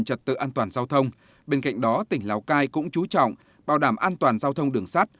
trật tự an toàn giao thông bên cạnh đó tỉnh lào cai cũng chú trọng bảo đảm an toàn giao thông đường sắt